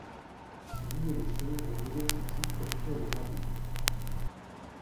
Lui et le shérif de Nugget City capturent les bandits.